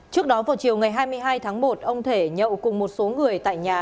trước đó vào chiều ngày hai mươi hai tháng một ông thể nhậu cùng một số người tại nhà